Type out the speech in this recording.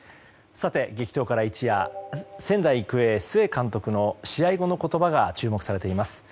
さて、激闘から一夜仙台育英、須江監督の試合後の言葉が注目されています。